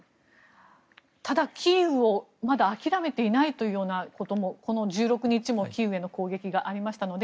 ただ、キーウもまだ諦めていないということもこの１６日もキーウへの攻撃がありましたので